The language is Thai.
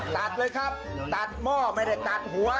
ตัดเลยครับตัดหม้อไม่ได้ตัดหัว